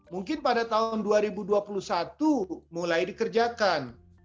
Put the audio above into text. mungkin pada tahun dua ribu dua puluh satu mulai dikerjakan